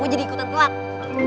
gue jadi ikutan telat